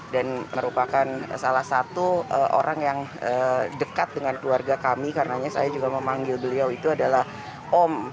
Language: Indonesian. merupakan salah satu orang yang dekat dengan keluarga kami karenanya saya juga memanggil beliau itu adalah om